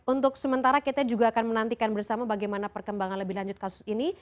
untuk sementara kita juga akan menantikan bersama bagaimana perkembangan lebih lanjut kasus ini